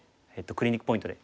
クリニックポイントで。